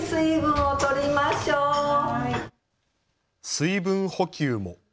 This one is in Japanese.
水分補給も。